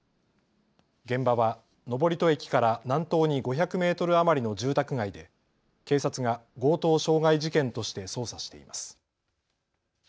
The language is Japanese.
現場は登戸駅から南東に５００メートル余りの住宅街で警察が強盗傷害事件として捜査しています。